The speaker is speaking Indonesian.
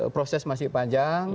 proses masih panjang